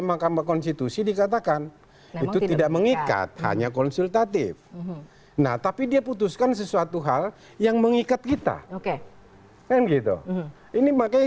bahwa partai a tidak mencalonkan napi